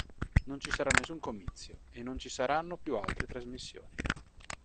Non ci sarà nessun comizio e non ci saranno più altre trasmissioni.